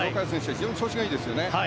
非常に調子がいいですね。